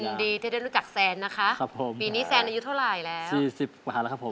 ยินดีที่ได้รู้จักแซนนะคะครับผมปีนี้แซนอายุเท่าไหร่แล้วสี่สิบกว่าแล้วครับผม